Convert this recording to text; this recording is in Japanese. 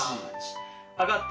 上がって。